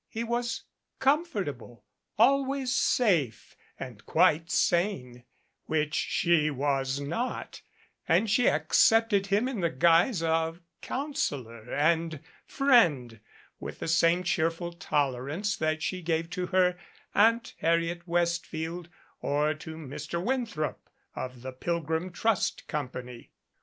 He was comfortable, always safe and quite sane, which she was not, and she accepted him in the guise of counselor and friend with the same cheerful tol erance that she gave to her Aunt Harriet Westfield or to Mr. Winthrop of the Pilgrim Trust Company.